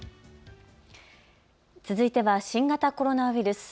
続いては新型コロナウイルス。